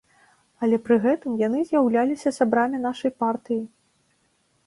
Але пры гэтым яны з'яўляліся сябрамі нашай партыі!